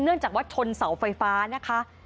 เนื่องจากว่าชนเสาไฟฟ้านะคะ